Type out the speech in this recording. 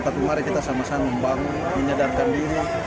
tapi mari kita sama sama membangun menyadarkan diri